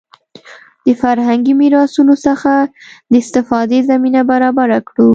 د فرهنګي میراثونو څخه د استفادې زمینه برابره کړو.